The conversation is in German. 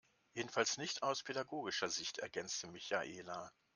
Jedenfalls nicht aus pädagogischer Sicht, ergänzte Michaela.